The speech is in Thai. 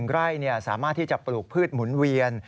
ไร่สามารถที่จะปลูกพืชหมุนเวียน